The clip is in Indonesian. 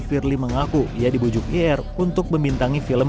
firly mengaku ia dibujuk ir untuk membintangi film